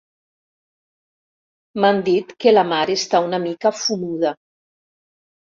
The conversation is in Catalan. M'han dit que la mare està una mica fumuda.